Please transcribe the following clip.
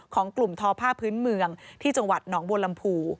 ของกลุ่มทอผ้าพื้นเมืองที่จังหวัดหนองบัวลำพู